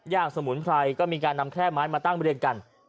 ย่างสมุนไพรก็มีการนำแค่ไม้มาตั้งไปเรียนกัน